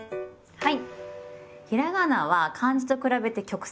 はい。